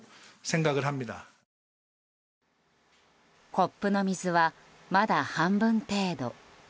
コップの水は、まだ半分程度。